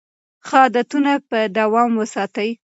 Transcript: ښه عادتونه په دوام وساتئ.